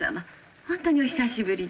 ほんとにお久しぶりで。